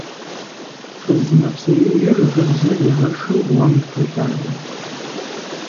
Фыз нэпсеижьыр гыбзэр игъэшу гъуэм толъадэ.